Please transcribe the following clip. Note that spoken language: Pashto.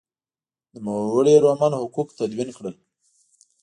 نوموړي رومن حقوق تدوین کړل.